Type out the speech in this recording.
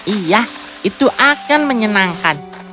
iya itu akan menyenangkan